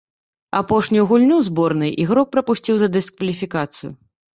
Апошнюю гульню зборнай ігрок прапусціў за дыскваліфікацыі.